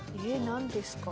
何ですか？